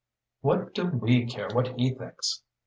"What do we care what he thinks?